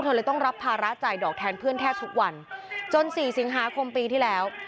เลยต้องรับภาระจ่ายดอกแทนเพื่อนแทบทุกวันจนสี่สิงหาคมปีที่แล้ว